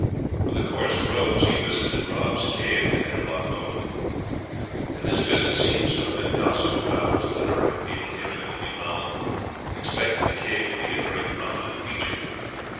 When the courts rose, he visited Rob's cave at the head of Loch Lomond; and this visit seems to have been gossiped about, as literary people, hearing of the new novel, expected the cave to be a very prominent feature.